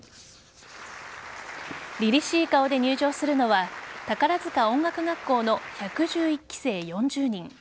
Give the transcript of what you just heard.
りりしい顔で入場するのは宝塚音楽学校の１１１期生４０人。